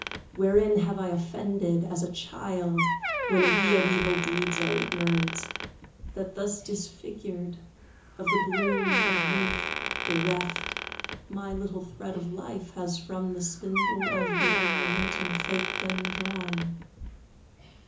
Wherein have I offended, as a child, When we of evil deeds are ignorant, That thus disfigured, of the bloom of youth Bereft, my little thread of life has from The spindle of the unrelenting Fate Been drawn?